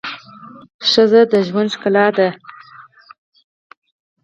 ښځه د ژوند ښکلا ده